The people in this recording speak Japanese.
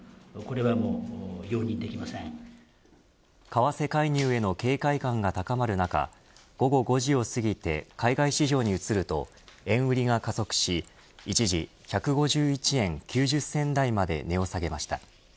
為替介入への警戒感が高まる中午後５時を過ぎて海外市場に移ると円売りが加速し一時１５１円９０銭台まで値を下げました。